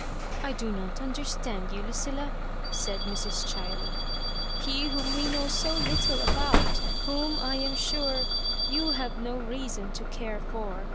"I do not understand you, Lucilla," said Mrs. Chiley. " He whom we know so little about — whom, I am sure, you have no reason to care for.